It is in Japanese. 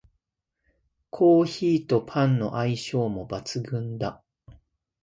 コーヒーとパンの相性も抜群だ